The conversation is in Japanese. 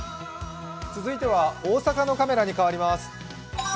続いては大阪のカメラに変わります。